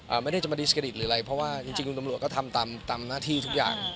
ไม่ได้จะมาดิสกริตหรืออะไรเพราะว่าจริงจริงคุณตำรวจก็ทำตามตามหน้าที่ทุกอย่าง